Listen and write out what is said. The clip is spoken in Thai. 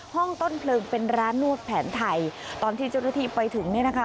ห้องต้นเพลิงเป็นร้านนวดแผนไทยตอนที่เจ้าหน้าที่ไปถึงเนี่ยนะคะ